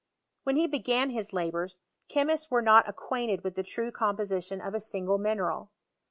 When he began his labours, chemists were not acquainted with the true com position of a single mineral.